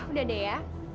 udah deh ya